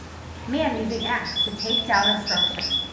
Man using ax to take down a structure.